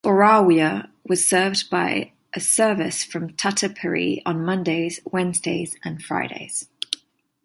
Orawia was served by a service from Tuatapere on Mondays, Wednesdays and Fridays.